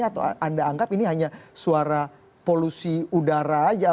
atau anda anggap ini hanya suara polusi udara saja